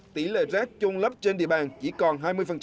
tỷ lệ rác trôn lấp trên địa bàn chỉ còn hai mươi